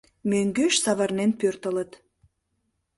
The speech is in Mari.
Мӧҥгеш савырнен пӧртылыт.